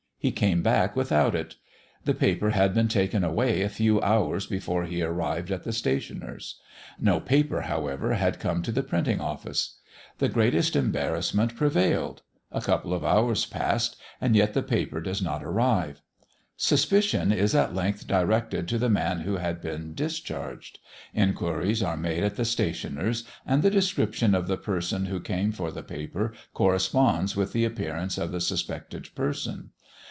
He came back without it. The paper had been taken away a few hours before he arrived at the stationer's. No paper, however, had come to the printing office. The greatest embarrassment prevailed. A couple of hours pass, and yet the paper does not arrive. Suspicion is at length directed to the man who had been discharged. Inquiries are made at the stationer's, and the description of the person who came for the paper corresponds with the appearance of the suspected person.